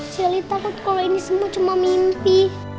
seli takut kalau ini semua cuma mimpi